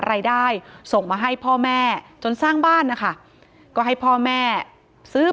รายได้ส่งมาให้พ่อแม่จนสร้างบ้านนะคะก็ให้พ่อแม่ซื้อ